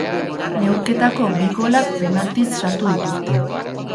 Neurketako bi golak penatiz sartu dituzte.